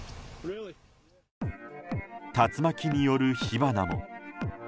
竜巻による火花も。